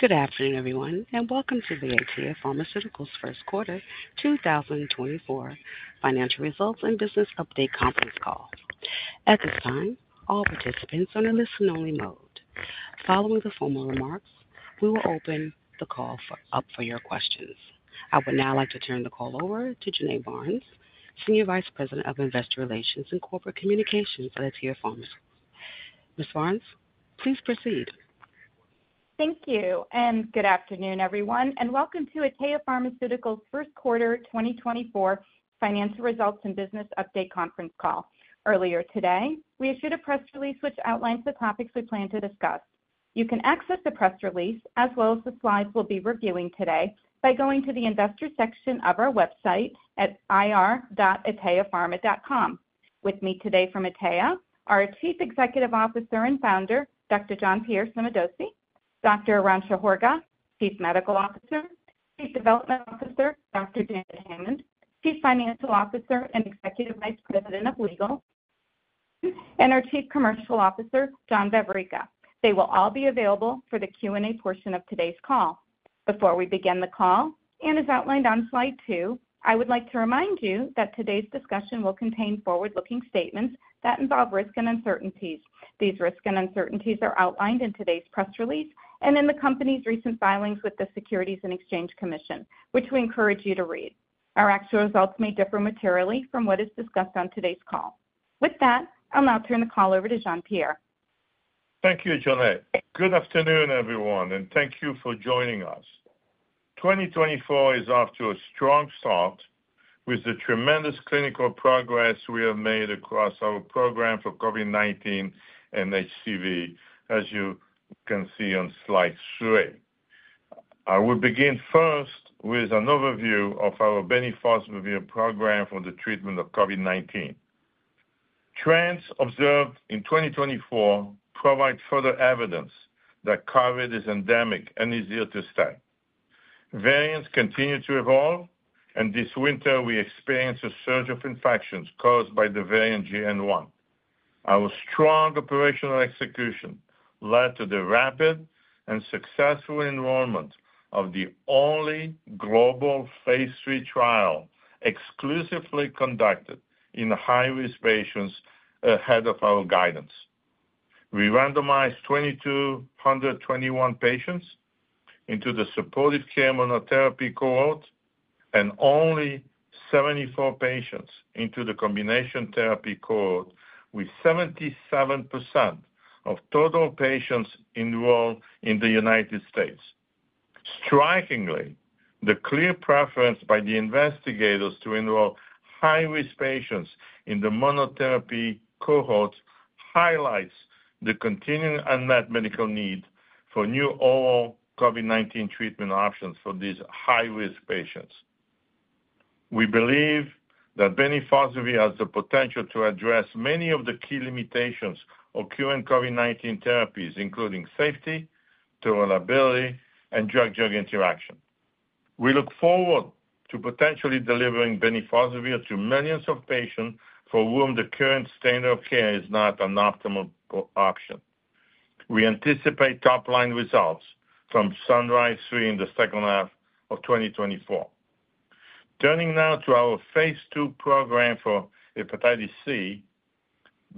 Good afternoon, everyone, and welcome to the Atea Pharmaceuticals' Q1 2024 financial results and business update conference call. At this time, all participants are in listen-only mode. Following the formal remarks, we will open the call up for your questions. I would now like to turn the call over to Jonae Barnes, Senior Vice President of Investor Relations and Corporate Communications at Atea Pharmaceuticals. Ms. Barnes, please proceed. Thank you, and good afternoon, everyone, and welcome to Atea Pharmaceuticals' Q1 2024, financial results and business update conference call. Earlier today, we issued a press release which outlines the topics we plan to discuss. You can access the press release, as well as the slides we'll be reviewing today, by going to the investor section of our website at ir.ateapharma.com. With me today from Atea are Chief Executive Officer and Founder Dr. Jean-Pierre Sommadossi, Dr. Arantxa Horga, Chief Medical Officer, Chief Development Officer Dr. Janet Hammond, Chief Financial Officer and Executive Vice President of Legal, and our Chief Commercial Officer John Vavricka. They will all be available for the Q&A portion of today's call. Before we begin the call, and as outlined on slide two, I would like to remind you that today's discussion will contain forward-looking statements that involve risk and uncertainties. These risk and uncertainties are outlined in today's press release and in the company's recent filings with the Securities and Exchange Commission, which we encourage you to read. Our actual results may differ materially from what is discussed on today's call. With that, I'll now turn the call over to Jean-Pierre. Thank you, Jonae. Good afternoon, everyone, and thank you for joining us. 2024 is off to a strong start with the tremendous clinical progress we have made across our program for COVID-19 and HCV, as you can see on slide three. I will begin first with an overview of our bemnifosbuvir program for the treatment of COVID-19. Trends observed in 2024 provide further evidence that COVID is endemic and is here to stay. Variants continue to evolve, and this winter we experienced a surge of infections caused by the variant JN.1. Our strong operational execution led to the rapid and successful enrollment of the only global phase III trial exclusively conducted in high-risk patients ahead of our guidance. We randomized 2,221 patients into the supportive care monotherapy cohort and only 74 patients into the combination therapy cohort, with 77% of total patients enrolled in the United States. Strikingly, the clear preference by the investigators to enroll high-risk patients in the monotherapy cohort highlights the continuing unmet medical need for new oral COVID-19 treatment options for these high-risk patients. We believe that bemnifosbuvir has the potential to address many of the key limitations of current COVID-19 therapies, including safety, durability, and drug-drug interaction. We look forward to potentially delivering bemnifosbuvir to millions of patients for whom the current standard of care is not an optimal option. We anticipate top-line results from SUNRISE-3 in the H2 of 2024. Turning now to our phase II program for hepatitis C,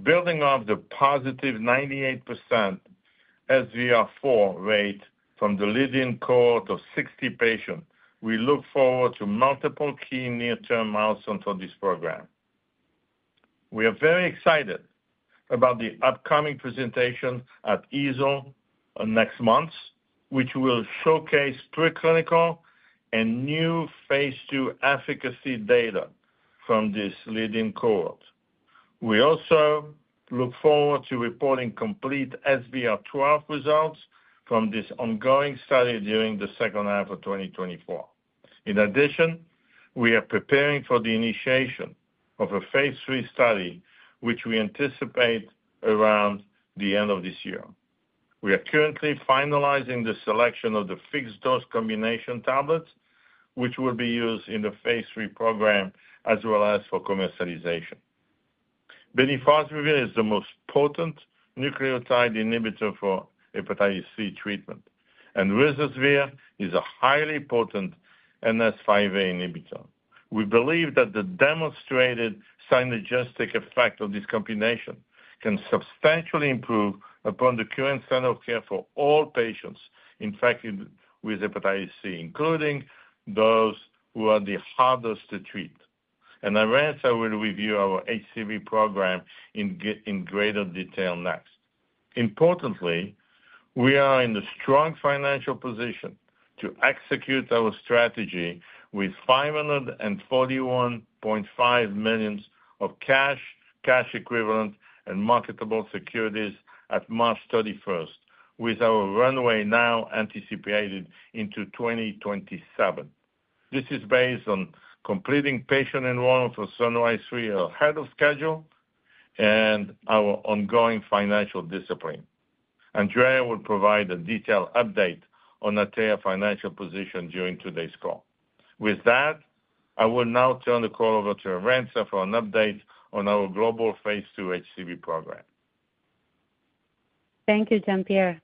building off the positive 98% SVR4 rate from the lead-in cohort of 60 patients, we look forward to multiple key near-term milestones for this program. We are very excited about the upcoming presentation at EASL next month, which will showcase preclinical and new phase II efficacy data from this lead-in cohort. We also look forward to reporting complete SVR12 results from this ongoing study during the H2 of 2024. In addition, we are preparing for the initiation of a phase III study, which we anticipate around the end of this year. We are currently finalizing the selection of the fixed-dose combination tablets, which will be used in the phase III program as well as for commercialization. Bemnifosbuvir is the most potent nucleotide inhibitor for hepatitis C treatment, and ruzasvir is a highly potent NS5A inhibitor. We believe that the demonstrated synergistic effect of this combination can substantially improve upon the current standard of care for all patients infected with hepatitis C, including those who are the hardest to treat. Arantxa will review our HCV program in greater detail next. Importantly, we are in a strong financial position to execute our strategy with $541.5 million of cash, cash equivalents, and marketable securities at March 31st, with our runway now anticipated into 2027. This is based on completing patient enrollment for SUNRISE-3 ahead of schedule and our ongoing financial discipline. Andrea will provide a detailed update on Atea's financial position during today's call. With that, I will now turn the call over to Arantxa for an update on our global phase II HCV program. Thank you, Jean-Pierre.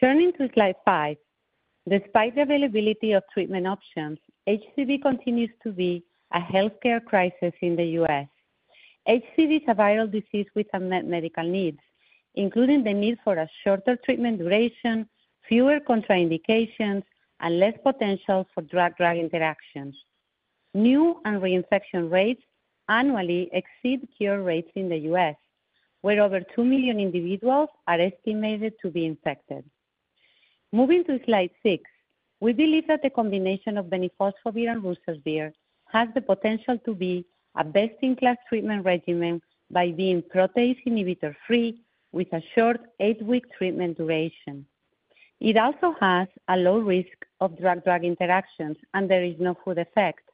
Turning to slide five, despite the availability of treatment options, HCV continues to be a healthcare crisis in the U.S. HCV is a viral disease with unmet medical needs, including the need for a shorter treatment duration, fewer contraindications, and less potential for drug-drug interactions. New and reinfection rates annually exceed cure rates in the U.S., where over 2 million individuals are estimated to be infected. Moving to slide six, we believe that the combination of bemnifosbuvir and ruzasvir has the potential to be a best-in-class treatment regimen by being protease inhibitor-free with a short eightweek treatment duration. It also has a low risk of drug-drug interactions, and there is no food effect.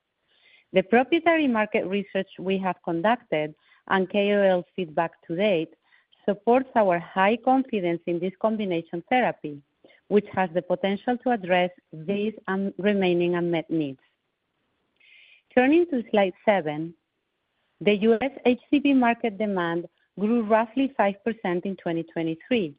The proprietary market research we have conducted and KOL feedback to date supports our high confidence in this combination therapy, which has the potential to address these remaining unmet needs. Turning to slide seven, the U.S. HCV market demand grew roughly 5% in 2023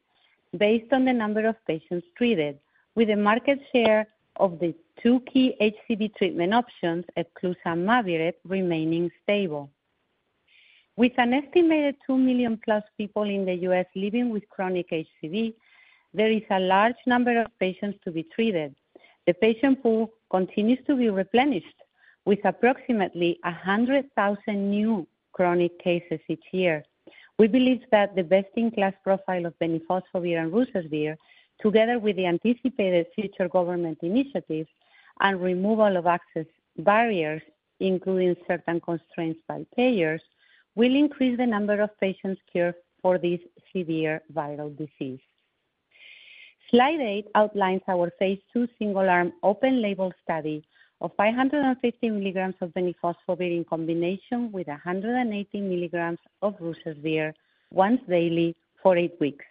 based on the number of patients treated, with the market share of the two key HCV treatment options, Epclusa and Mavyret, remaining stable. With an estimated 2 million-plus people in the U.S. living with chronic HCV, there is a large number of patients to be treated. The patient pool continues to be replenished with approximately 100,000 new chronic cases each year. We believe that the best-in-class profile of bemnifosbuvir and ruzasvir, together with the anticipated future government initiatives and removal of access barriers, including certain constraints by payers, will increase the number of patients cured for this severe viral disease. Slide eight outlines our phase II single-arm open-label study of 550 milligrams of bemnifosbuvir in combination with 180 milligrams of ruzasvir once daily for eight weeks.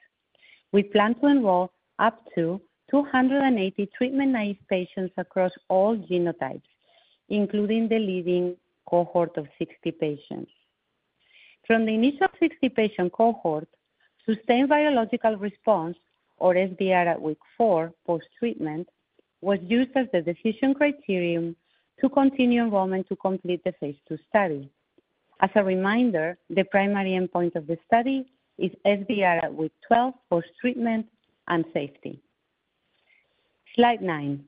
We plan to enroll up to 280 treatment-naive patients across all genotypes, including the lead-in cohort of 60 patients. From the initial 60-patient cohort, sustained virologic response, or SVR, at week four post-treatment, was used as the decision criterion to continue enrollment to complete the phase II study. As a reminder, the primary endpoint of the study is SVR at week 12 post-treatment and safety. Slide nine.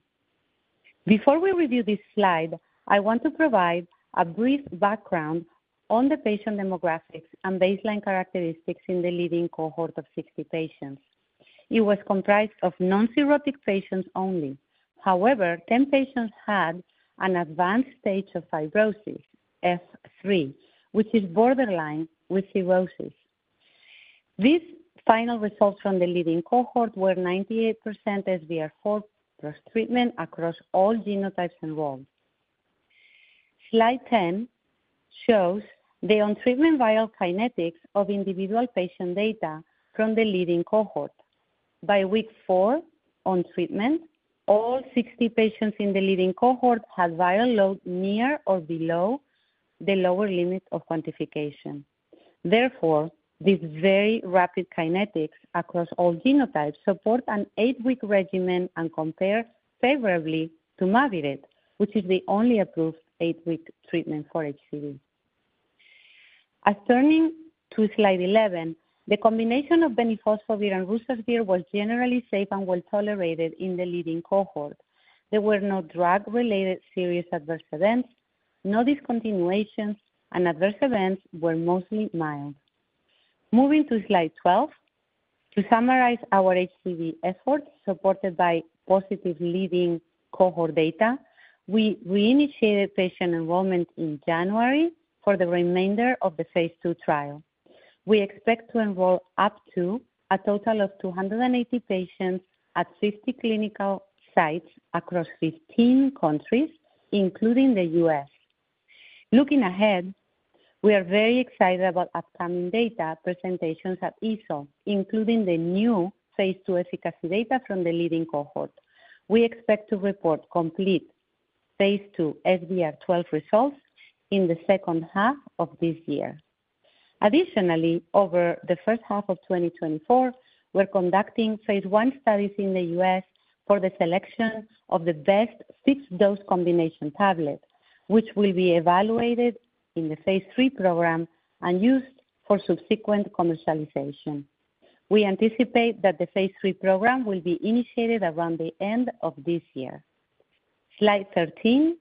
Before we review this slide, I want to provide a brief background on the patient demographics and baseline characteristics in the lead-in cohort of 60 patients. It was comprised of non-cirrhotic patients only. However, 10 patients had an advanced stage of fibrosis, F3, which is borderline with cirrhosis. These final results from the lead-in cohort were 98% SVR4 post-treatment across all genotypes enrolled. Slide 10 shows the on-treatment viral kinetics of individual patient data from the lead-in cohort. By week four on treatment, all 60 patients in the lead-in cohort had viral load near or below the lower limit of quantification. Therefore, these very rapid kinetics across all genotypes support an eight-week regimen and compare favorably to Mavyret, which is the only approved eight-week treatment for HCV. Turning to slide 11, the combination of bemnifosbuvir and ruzasvir was generally safe and well-tolerated in the lead-in cohort. There were no drug-related serious adverse events, no discontinuations, and adverse events were mostly mild. Moving to slide 12, to summarize our HCV efforts supported by positive lead-in cohort data, we reinitiated patient enrollment in January for the remainder of the phase II trial. We expect to enroll up to a total of 280 patients at 50 clinical sites across 15 countries, including the U.S. Looking ahead, we are very excited about upcoming data presentations at EASL, including the new phase II efficacy data from the lead-in cohort. We expect to report complete phase II SVR12 results in the H2 of this year. Additionally, over the H1 of 2024, we're conducting phase I studies in the U.S. for the selection of the best fixed-dose combination tablet, which will be evaluated in the phase III program and used for subsequent commercialization. We anticipate that the phase III program will be initiated around the end of this year. Slide 13.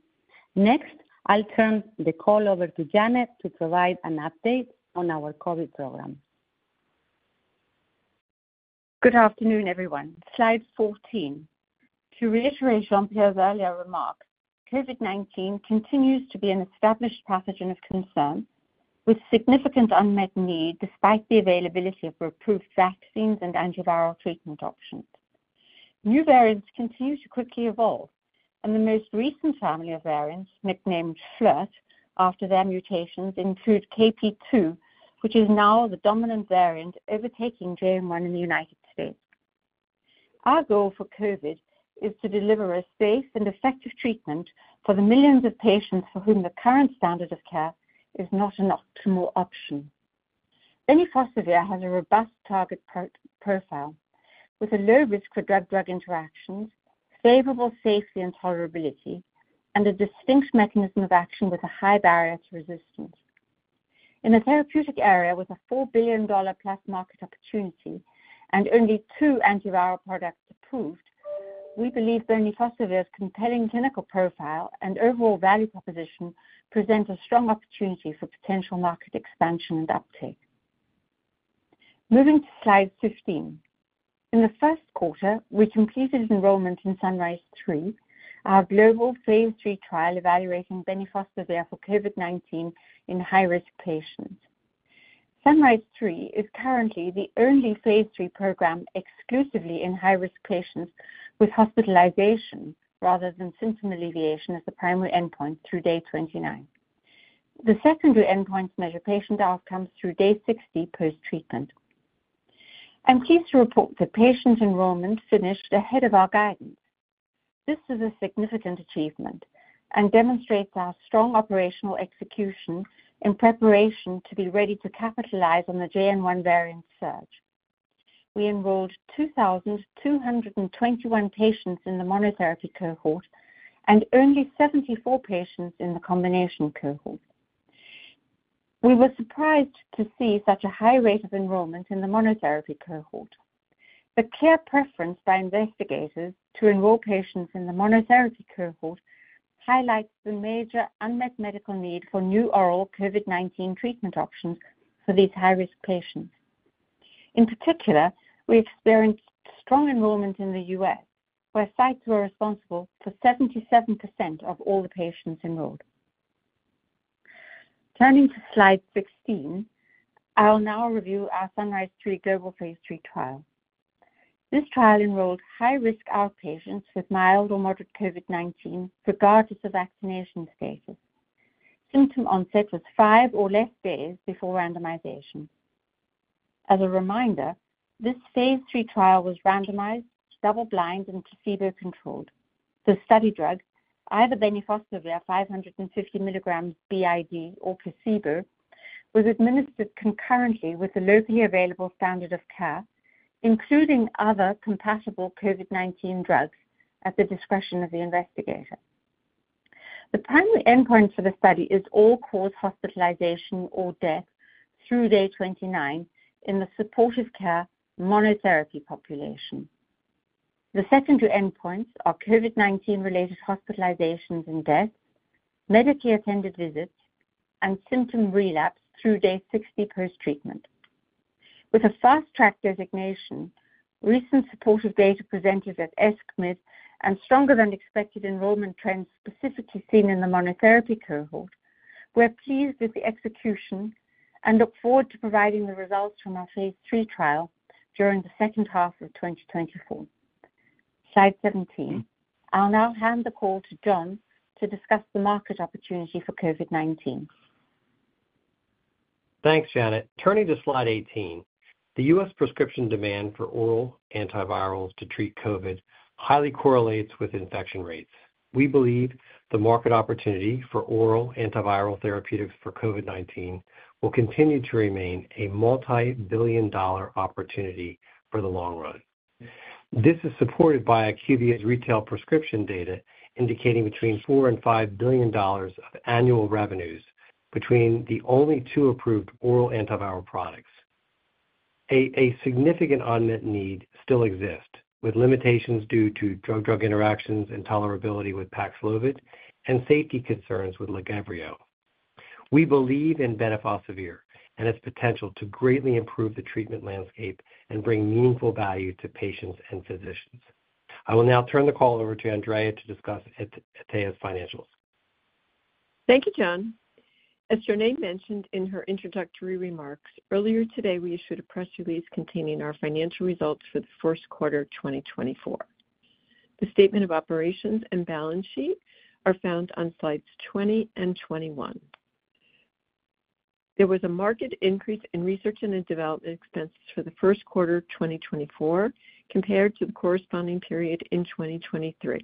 Next, I'll turn the call over to Janet to provide an update on our COVID program. Good afternoon, everyone. Slide 14. To reiterate Jean-Pierre's earlier remarks, COVID-19 continues to be an established pathogen of concern with significant unmet need despite the availability of approved vaccines and antiviral treatment options. New variants continue to quickly evolve, and the most recent family of variants, nicknamed FLiRT after their mutations, include KP.2, which is now the dominant variant overtaking JN.1 in the United States. Our goal for COVID is to deliver a safe and effective treatment for the millions of patients for whom the current standard of care is not an optimal option. Bemnifosbuvir has a robust target profile with a low risk for drug-drug interactions, favorable safety and tolerability, and a distinct mechanism of action with a high barrier to resistance. In a therapeutic area with a $4 billion+ market opportunity and only two antiviral products approved, we believe bemnifosbuvir's compelling clinical profile and overall value proposition present a strong opportunity for potential market expansion and uptake. Moving to slide 15. In the Q1, we completed enrollment in SUNRISE-3, our global phase III trial evaluating bemnifosbuvir for COVID-19 in high-risk patients. SUNRISE-3 is currently the only phase III program exclusively in high-risk patients with hospitalization rather than symptom alleviation as the primary endpoint through day 29. The secondary endpoints measure patient outcomes through day 60 post-treatment. I'm pleased to report that patient enrollment finished ahead of our guidance. This is a significant achievement and demonstrates our strong operational execution in preparation to be ready to capitalize on the JN.1 variant surge. We enrolled 2,221 patients in the monotherapy cohort and only 74 patients in the combination cohort. We were surprised to see such a high rate of enrollment in the monotherapy cohort. The clear preference by investigators to enroll patients in the monotherapy cohort highlights the major unmet medical need for new oral COVID-19 treatment options for these high-risk patients. In particular, we experienced strong enrollment in the U.S., where sites were responsible for 77% of all the patients enrolled. Turning to slide 16, I'll now review our SUNRISE-3 global phase III trial. This trial enrolled high-risk outpatients with mild or moderate COVID-19 regardless of vaccination status. Symptom onset was five or less days before randomization. As a reminder, this phase III trial was randomized, double-blind, and placebo-controlled. The study drug, either bemnifosbuvir 550 milligrams b.i.d. or placebo was administered concurrently with the locally available standard of care, including other compatible COVID-19 drugs at the discretion of the investigator. The primary endpoint for the study is all-cause hospitalization or death through day 29 in the supportive care monotherapy population. The secondary endpoints are COVID-19-related hospitalizations and deaths, medically attended visits, and symptom relapse through day 60 post-treatment. With a fast-track designation, recent supportive data presented at ESCMID and stronger-than-expected enrollment trends specifically seen in the monotherapy cohort, we're pleased with the execution and look forward to providing the results from our phase III trial during the H2 of 2024. Slide 17. I'll now hand the call to John to discuss the market opportunity for COVID-19. Thanks, Janet. Turning to slide 18, the US prescription demand for oral antivirals to treat COVID highly correlates with infection rates. We believe the market opportunity for oral antiviral therapeutics for COVID-19 will continue to remain a multi-billion-dollar opportunity for the long run. This is supported by IQVIA's retail prescription data, indicating between $4 billion and $5 billion of annual revenues between the only two approved oral antiviral products. A significant unmet need still exists, with limitations due to drug-drug interactions and tolerability with Paxlovid and safety concerns with LAGEVRIO. We believe in bemnifosbuvir and its potential to greatly improve the treatment landscape and bring meaningful value to patients and physicians. I will now turn the call over to Andrea to discuss Atea's financials. Thank you, John. As Jonae mentioned in her introductory remarks, earlier today, we issued a press release containing our financial results for the Q1 of 2024. The statement of operations and balance sheet are found on slides 20 and 21. There was a marked increase in research and development expenses for the Q1 of 2024 compared to the corresponding period in 2023.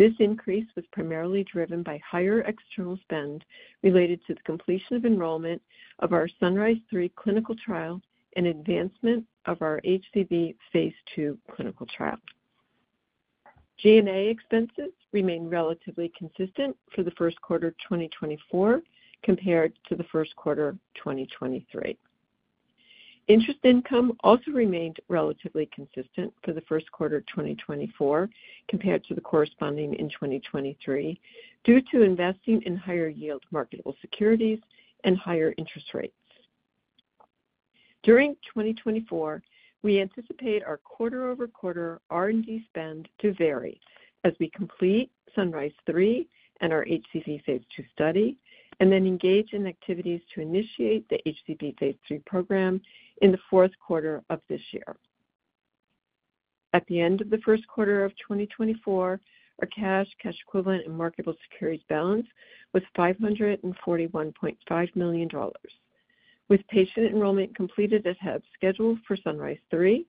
This increase was primarily driven by higher external spend related to the completion of enrollment of our SUNRISE-3 clinical trial and advancement of our HCV phase II clinical trial. G&A expenses remained relatively consistent for the Q1 of 2024 compared to the Q1 of 2023. Interest income also remained relatively consistent for the Q1 of 2024 compared to the corresponding period in 2023 due to investing in higher-yield marketable securities and higher interest rates. During 2024, we anticipate our quarter-over-quarter R&D spend to vary as we complete SUNRISE-3 and our HCV phase II study and then engage in activities to initiate the HCV phase III program in the Q4 of this year. At the end of the Q1 of 2024, our cash, cash equivalent, and marketable securities balance was $541.5 million. With patient enrollment completed as scheduled for SUNRISE-3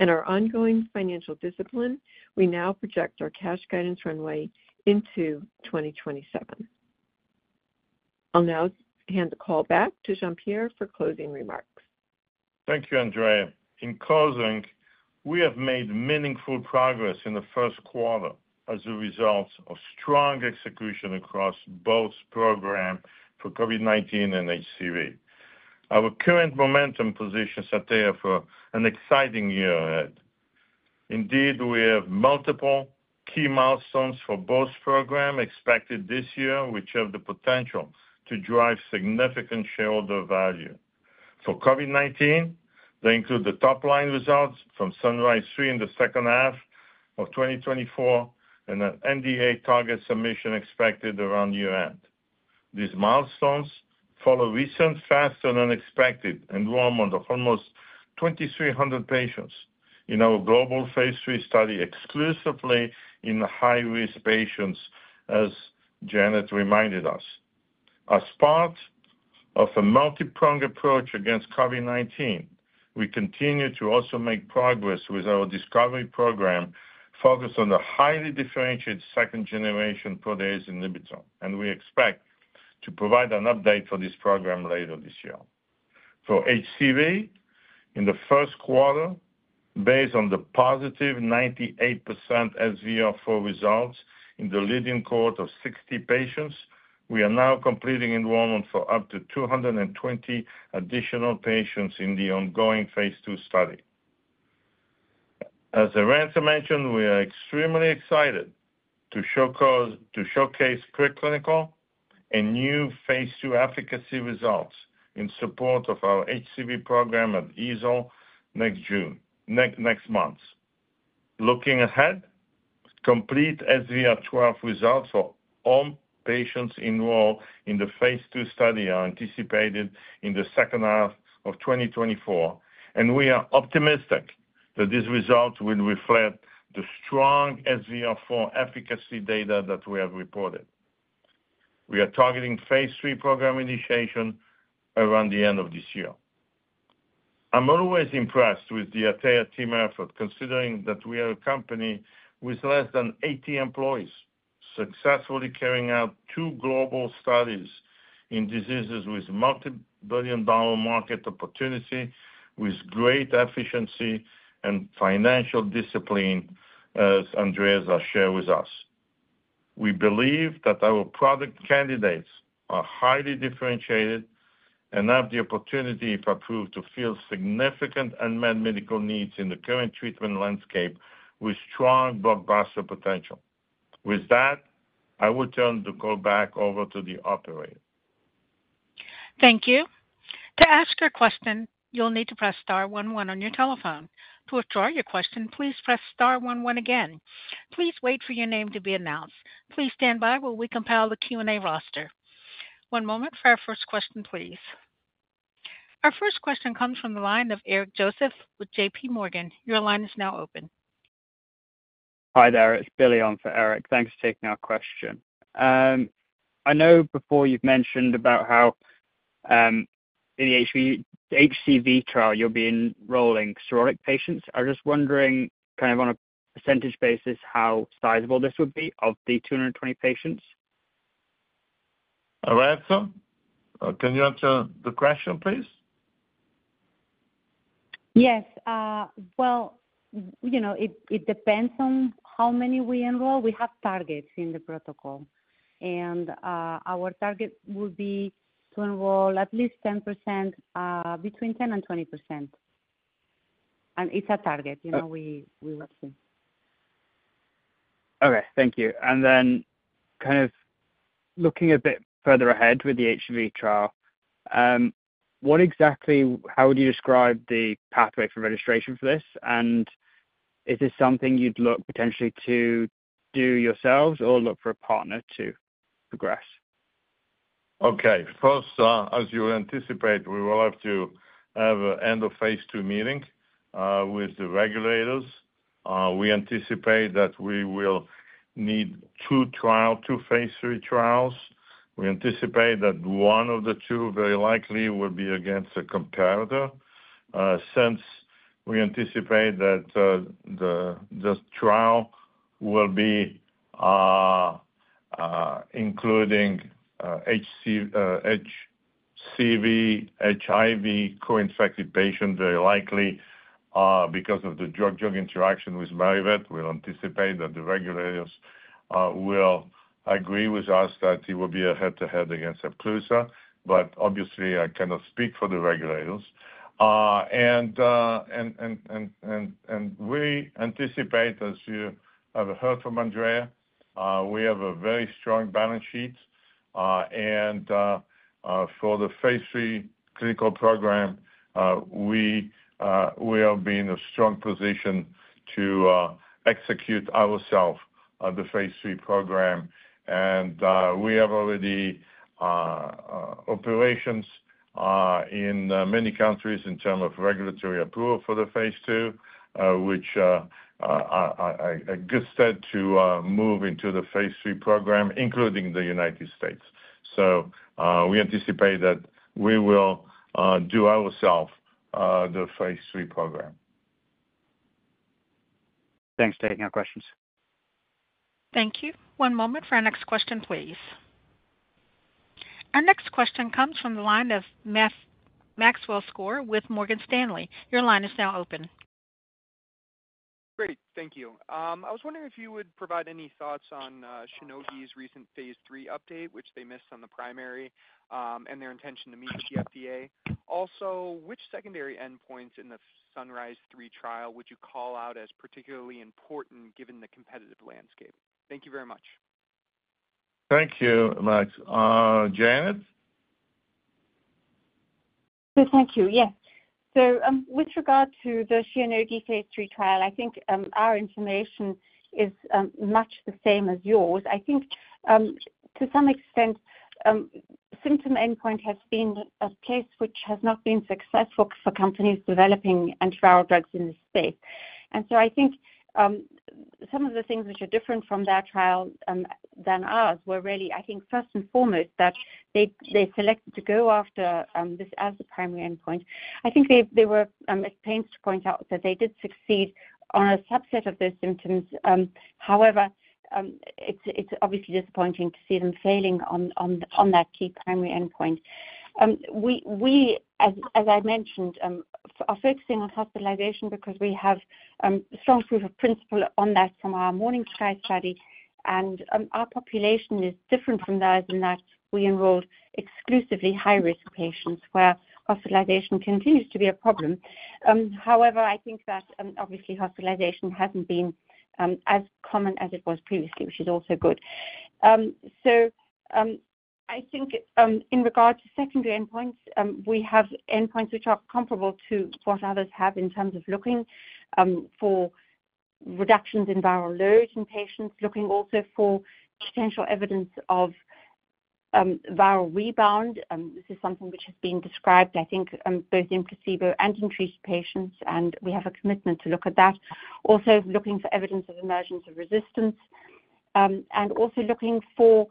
and our ongoing financial discipline, we now project our cash guidance runway into 2027. I'll now hand the call back to Jean-Pierre for closing remarks. Thank you, Andrea. In closing, we have made meaningful progress in the Q1 as a result of strong execution across both programs for COVID-19 and HCV. Our current momentum positions Atea for an exciting year ahead. Indeed, we have multiple key milestones for both programs expected this year, which have the potential to drive significant shareholder value. For COVID-19, they include the top-line results from SUNRISE-3 in the H2 of 2024 and an NDA target submission expected around year-end. These milestones follow recent faster-than-expected enrollment of almost 2,300 patients in our global phase III study exclusively in high-risk patients, as Janet reminded us. As part of a multi-pronged approach against COVID-19, we continue to also make progress with our discovery program focused on the highly differentiated second-generation protease inhibitor, and we expect to provide an update for this program later this year. For HCV, in the Q1, based on the positive 98% SVR4 results in the lead-in cohort of 60 patients, we are now completing enrollment for up to 220 additional patients in the ongoing phase II study. As Arantxa mentioned, we are extremely excited to showcase preclinical and new phase II efficacy results in support of our HCV program at EASL next month. Looking ahead, complete SVR12 results for all patients enrolled in the phase II study are anticipated in the H2 of 2024, and we are optimistic that these results will reflect the strong SVR4 efficacy data that we have reported. We are targeting phase III program initiation around the end of this year. I'm always impressed with the Atea team effort, considering that we are a company with less than 80 employees successfully carrying out two global studies in diseases with multi-billion dollar market opportunity with great efficiency and financial discipline, as Andrea shared with us. We believe that our product candidates are highly differentiated and have the opportunity, if approved, to fill significant unmet medical needs in the current treatment landscape with strong blockbuster potential. With that, I will turn the call back over to the operator. Thank you. To ask your question, you'll need to press star one one on your telephone. To withdraw your question, please press star one one again. Please wait for your name to be announced. Please stand by while we compile the Q&A roster. One moment for our first question, please. Our first question comes from the line of Eric Joseph with JPMorgan. Your line is now open. Hi there. It's Billy on for Eric. Thanks for taking our question. I know before you've mentioned about how in the HCV trial you'll be enrolling cirrhotic patients. I was just wondering, kind of on a percentage basis, how sizable this would be of the 220 patients. Arantxa, can you answer the question, please? Yes. Well, it depends on how many we enroll. We have targets in the protocol, and our target would be to enroll at least 10%, between 10% and 20%. It's a target we would see. Okay. Thank you. And then, kind of looking a bit further ahead with the HCV trial, how would you describe the pathway for registration for this? And is this something you'd look potentially to do yourselves or look for a partner to progress? Okay. First, as you anticipate, we will have to have an end-of-phase II meeting with the regulators. We anticipate that we will need two phase III trials. We anticipate that one of the two very likely will be against a competitor since we anticipate that the trial will be including HCV, HIV co-infected patients, very likely because of the drug-drug interaction with Mavyret. We'll anticipate that the regulators will agree with us that it will be a head-to-head against Epclusa, but obviously, I cannot speak for the regulators. And we anticipate, as you have heard from Andrea, we have a very strong balance sheet. And for the phase III clinical program, we are being in a strong position to execute ourselves the phase III program. We have already operations in many countries in terms of regulatory approval for the phase II, which are a good step to move into the phase II program, including the United States. We anticipate that we will do ourselves the phase III program. Thanks for taking our questions. Thank you. One moment for our next question, please. Our next question comes from the line of Maxwell Skor with Morgan Stanley. Your line is now open. Great. Thank you. I was wondering if you would provide any thoughts on Shionogi's recent phase III update, which they missed on the primary, and their intention to meet with the FDA. Also, which secondary endpoints in the SUNRISE-3 trial would you call out as particularly important given the competitive landscape? Thank you very much. Thank you, Max. Janet? Thank you. Yes. So with regard to the Shionogi phase III trial, I think our information is much the same as yours. I think, to some extent, symptom endpoint has been a place which has not been successful for companies developing antiviral drugs in this space. And so I think some of the things which are different from their trial than ours were really, I think, first and foremost, that they selected to go after this as the primary endpoint. I think it pains to point out that they did succeed on a subset of those symptoms. However, it's obviously disappointing to see them failing on that key primary endpoint. As I mentioned, we're focusing on hospitalization because we have strong proof of principle on that from our Morning Sky study. And our population is different from theirs in that we enrolled exclusively high-risk patients, where hospitalization continues to be a problem. However, I think that, obviously, hospitalization hasn't been as common as it was previously, which is also good. So I think in regard to secondary endpoints, we have endpoints which are comparable to what others have in terms of looking for reductions in viral load in patients, looking also for potential evidence of viral rebound. This is something which has been described, I think, both in placebo and in treated patients, and we have a commitment to look at that. Also, looking for evidence of emergence of resistance, and also looking for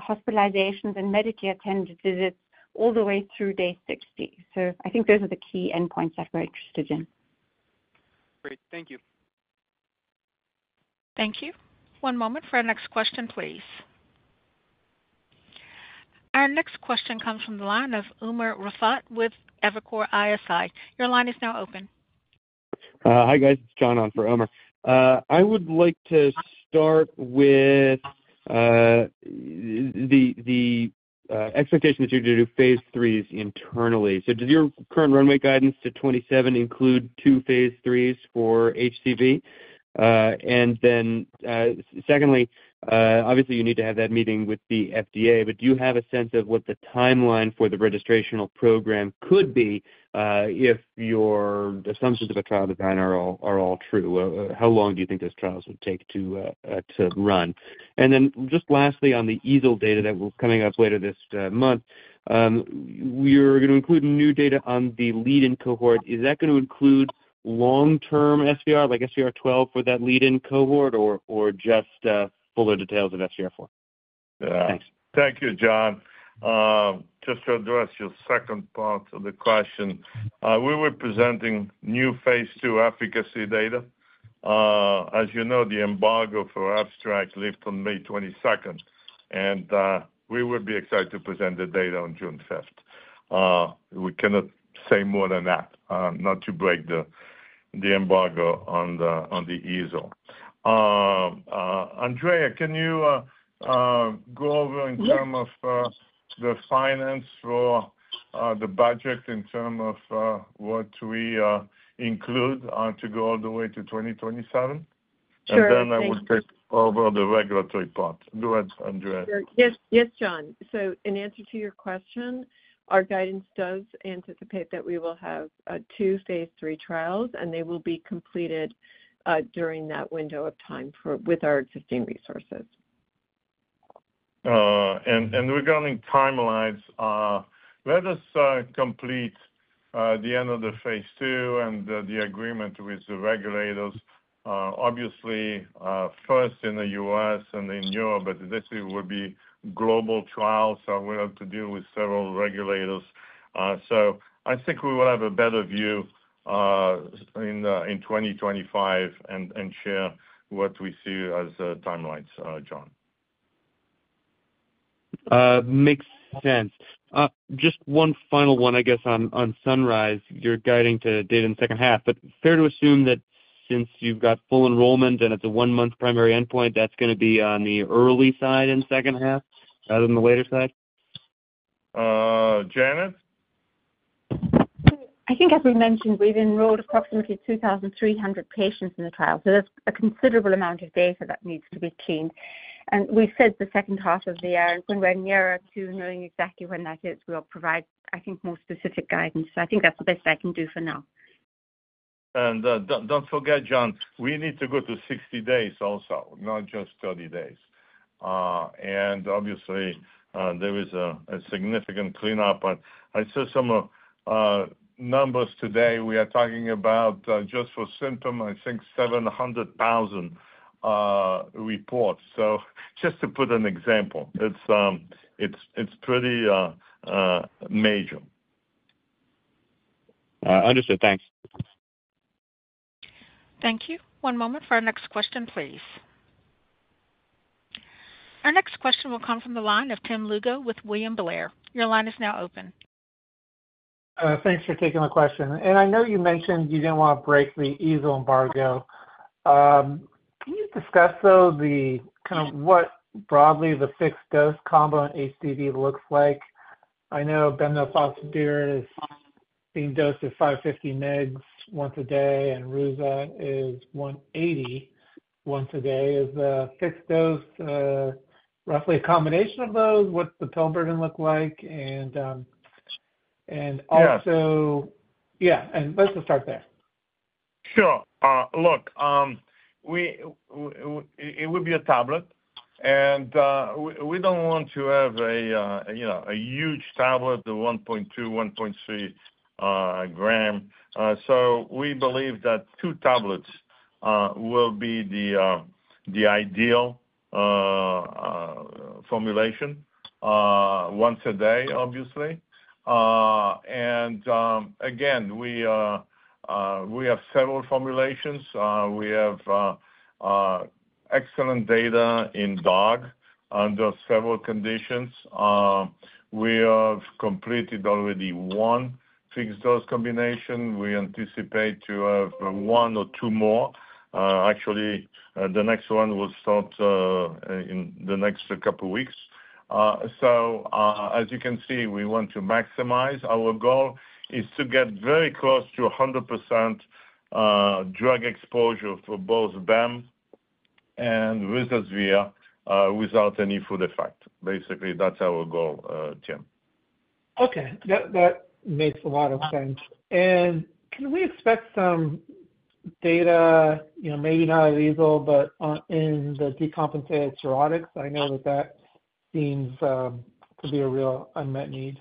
hospitalizations and medically attended visits all the way through day 60. So I think those are the key endpoints that we're interested in. Great. Thank you. Thank you. One moment for our next question, please. Our next question comes from the line of Umer Raffat with Evercore ISI. Your line is now open. Hi guys. It's John on for Umer. I would like to start with the expectation that you're due to do phase IIIs internally. So does your current runway guidance to 2027 include two phase IIIs for HCV? And then secondly, obviously, you need to have that meeting with the FDA, but do you have a sense of what the timeline for the registrational program could be if your assumptions of a trial design are all true? How long do you think those trials would take to run? And then just lastly, on the EASL data that will be coming up later this month, you're going to include new data on the lead-in cohort. Is that going to include long-term SVR, like SVR12 for that lead-in cohort, or just fuller details of SVR4? Thanks. Thank you, John. Just to address your second part of the question, we were presenting new phase II efficacy data. As you know, the embargo for abstracts lifts on May 22nd, and we would be excited to present the data on June 5th. We cannot say more than that, not to break the embargo on the ESCMID. Andrea, can you go over in terms of the finance for the budget in terms of what we include to go all the way to 2027? And then I will take over the regulatory part. Go ahead, Andrea. Yes, John. So, in answer to your question, our guidance does anticipate that we will have two phase III trials, and they will be completed during that window of time with our existing resources. Regarding timelines, let us complete the end of the phase II and the agreement with the regulators. Obviously, first in the U.S. and in Europe, but this would be global trials, so we have to deal with several regulators. So I think we will have a better view in 2025 and share what we see as timelines, John. Makes sense. Just one final one, I guess, on SUNRISE. You're guiding to data in the H2, but fair to assume that since you've got full enrollment and it's a one-month primary endpoint, that's going to be on the early side in H2 rather than the later side? Janet? I think as we mentioned, we've enrolled approximately 2,300 patients in the trial, so there's a considerable amount of data that needs to be cleaned. We said the H2 of the year, and when we're nearer to knowing exactly when that is, we'll provide, I think, more specific guidance. I think that's the best I can do for now. Don't forget, John, we need to go to 60 days also, not just 30 days. Obviously, there is a significant cleanup. I saw some numbers today. We are talking about, just for symptom, I think, 700,000 reports. So just to put an example, it's pretty major. Understood. Thanks. Thank you. One moment for our next question, please. Our next question will come from the line of Tim Lugo with William Blair. Your line is now open. Thanks for taking the question. I know you mentioned you didn't want to break the EASL embargo. Can you discuss, though, kind of what broadly the fixed-dose combo in HCV looks like? I know bemnifosbuvir is being dosed at 550 mg once a day, and ruzasvir is 180 once a day. Is the fixed dose roughly a combination of those? What's the pill burden look like? And also, yeah, and let's just start there. Sure. Look, it would be a tablet, and we don't want to have a huge tablet, the 1.2, 1.3 gram. So we believe that two tablets will be the ideal formulation once a day, obviously. And again, we have several formulations. We have excellent data in dog under several conditions. We have completed already one fixed-dose combination. We anticipate to have one or two more. Actually, the next one will start in the next couple of weeks. So as you can see, we want to maximize. Our goal is to get very close to 100% drug exposure for both BEM and ruzasvir without any food effect. Basically, that's our goal, Tim. Okay. That makes a lot of sense. Can we expect some data, maybe not at EASL, but in the decompensated cirrhotics? I know that that seems to be a real unmet need.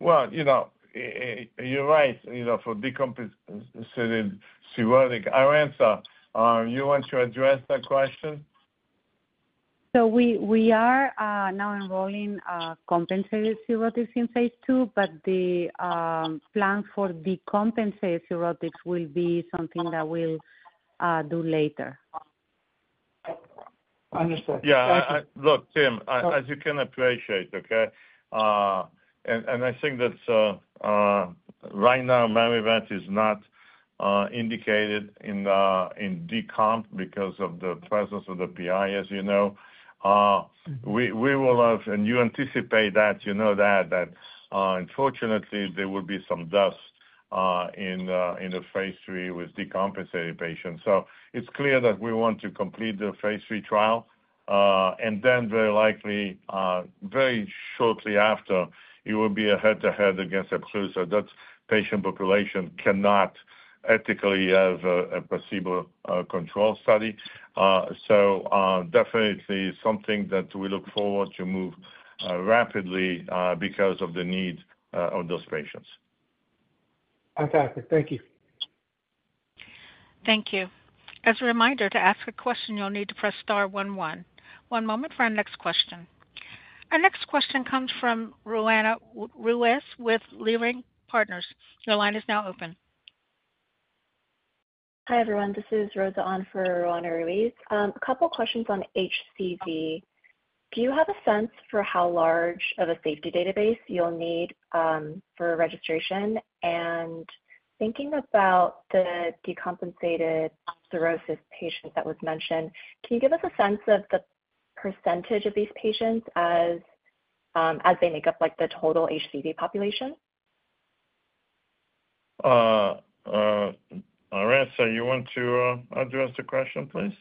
Well, you're right. For decompensated cirrhotic, Arantxa, you want to address that question? We are now enrolling compensated cirrhotics in phase II, but the plan for decompensated cirrhotics will be something that we'll do later. Understood. Thank you. Yeah. Look, Tim, as you can appreciate, okay, and I think that right now, Mavyret is not indicated in decomp because of the presence of the PI, as you know. We will have, and you anticipate that, you know that, that unfortunately, there will be some dust in the phase III with decompensated patients. So it's clear that we want to complete the phase III trial. And then very likely, very shortly after, it will be a head-to-head against Epclusa that patient population cannot ethically have a placebo control study. So definitely something that we look forward to move rapidly because of the need of those patients. Fantastic. Thank you. Thank you. As a reminder, to ask a question, you'll need to press star 11. One moment for our next question. Our next question comes from Ruiz with Leerink Partners. Your line is now open. Hi, everyone. This is Rosa on for Roanna Ruiz. A couple of questions on HCV. Do you have a sense for how large of a safety database you'll need for registration? And thinking about the decompensated cirrhosis patients that was mentioned, can you give us a sense of the percentage of these patients as they make up the total HCV population? Arantxa, you want to address the question, please?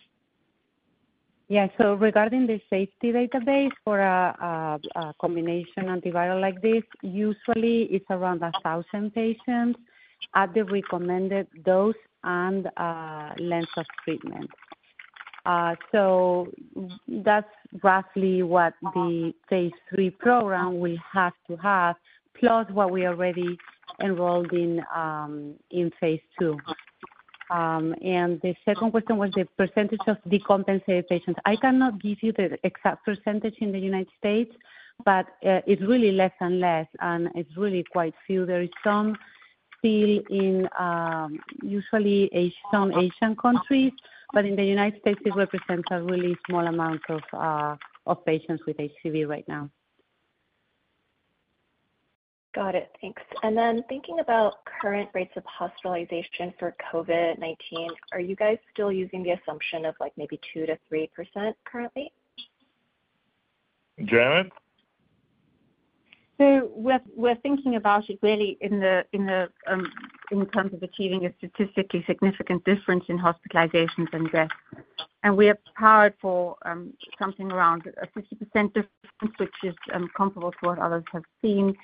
Yeah. So, regarding the safety database for a combination antiviral like this, usually, it's around 1,000 patients at the recommended dose and length of treatment. So that's roughly what the phase III program will have to have, plus what we already enrolled in phase II. And the second question was the percentage of decompensated patients. I cannot give you the exact percentage in the United States, but it's really less and less, and it's really quite few. There is some still in usually some Asian countries, but in the United States, it represents a really small amount of patients with HCV right now. Got it. Thanks. And then thinking about current rates of hospitalization for COVID-19, are you guys still using the assumption of maybe 2%-3% currently? Janet? We're thinking about it really in terms of achieving a statistically significant difference in hospitalizations and deaths. We are powered for something around a 50% difference, which is comparable to what others have seen.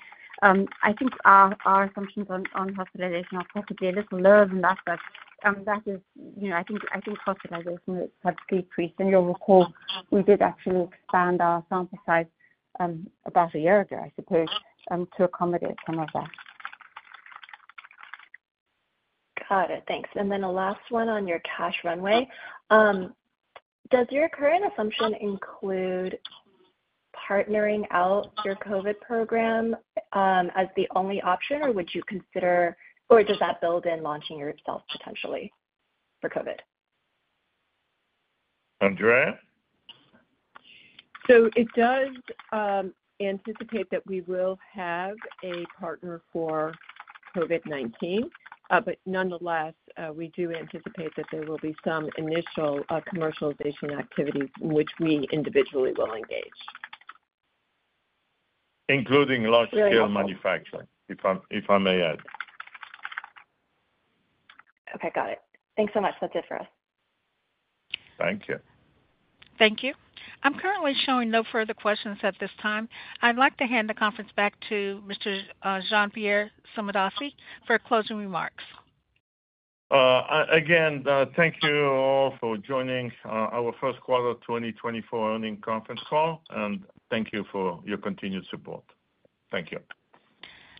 I think our assumptions on hospitalization are possibly a little lower, and that is I think hospitalizations have decreased. You'll recall we did actually expand our sample size about a year ago, I suppose, to accommodate some of that. Got it. Thanks. Then the last one on your cash runway. Does your current assumption include partnering out your COVID program as the only option, or would you consider or does that build in launching yourself potentially for COVID? Andrea? So it does anticipate that we will have a partner for COVID-19, but nonetheless, we do anticipate that there will be some initial commercialization activities in which we individually will engage. Including large-scale manufacturing, if I may add. Okay. Got it. Thanks so much. That's it for us. Thank you. Thank you. I'm currently showing no further questions at this time. I'd like to hand the conference back to Mr. Jean-Pierre Sommadossi for closing remarks. Again, thank you all for joining our Q1 2024 earnings conference call, and thank you for your continued support. Thank you.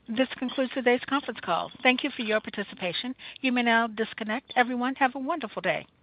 This concludes today's conference call. Thank you for your participation. You may now disconnect. Everyone, have a wonderful day.